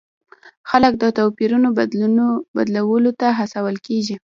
خلک د توپیرونو بدلولو ته هڅول کیږي.